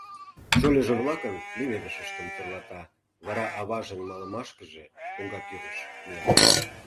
Шольыжо-влакын леведышыштым тӧрлата, вара аважын малымашкыже, коҥга тӱрыш, мия.